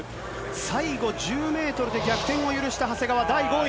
最後１０メートルで逆転を許した長谷川、第５位。